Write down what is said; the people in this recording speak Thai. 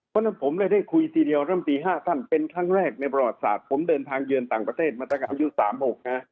เพราะฉะนั้นผมเลยได้คุยทีเดียวร่ำตี๕ท่านเป็นครั้งแรกในประวัติศาสตร์ผมเดินทางเยือนต่างประเทศมาตั้งแต่อายุ๓๖นะ